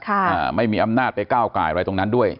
อ่าไม่มีอำนาจไปก้าวไก่อะไรตรงนั้นด้วย